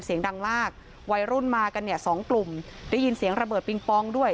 เสียงดังมากวัยรุ่นมากันเนี่ยสองกลุ่มได้ยินเสียงระเบิดปิงปองด้วย